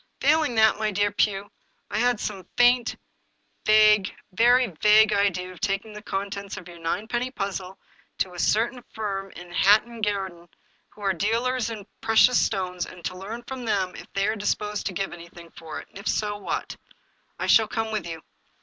Failing that, my dear Pugh, I had some faint, vague, very vague idea of taking the contents of your ninepenny puzzle to a certain firm in Hatton Gar den, who are dealers in precious stones, and to learn from them if they are disposed to give anything for it, and if so> what." " I shall come with you."